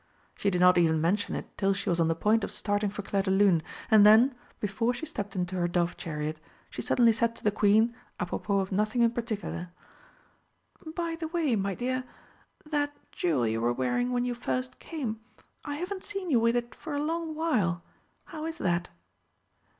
She did not even mention it till she was on the point of starting for Clairdelune, and then, before she stepped into her dove chariot, she suddenly said to the Queen, á propos of nothing in particular, "By the way, my dear, that jewel you were wearing when you first came I haven't seen you with it for a long while how is that?"